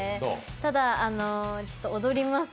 ただ、踊ります